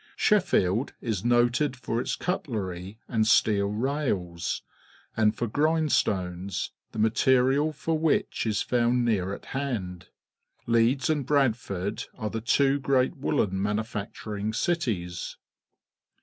Sheffiekt is noted for its cutlexy. and steel rails, and for grindstones, the material for which is found near at hand. Leeds and Bradford are the two great woollen manufacturing cities.